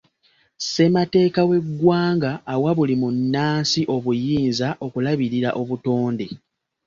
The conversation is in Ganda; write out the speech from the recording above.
Ssemateeka w’eggwanga awa buli munnansi obuyinza okulabirira obutonde.